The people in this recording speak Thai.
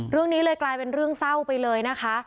เรื่องนี้เลยกลายเป็นเรื่องเศร้าไปเลยนะคะ